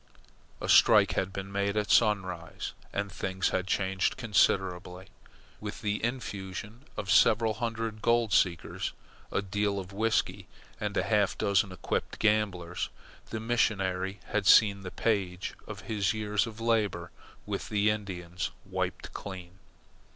A strike had been made at Sunrise, and things had changed considerably. With the infusion of several hundred gold seekers, a deal of whisky, and half a dozen equipped gamblers, the missionary had seen the page of his years of labour with the Indians wiped clean.